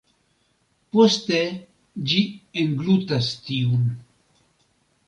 Poste ĝi englutas tiun.